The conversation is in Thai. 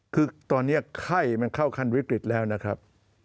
คือตอนนี้ไข้มันเข้าขั้นวิกฤตแล้วนะครับ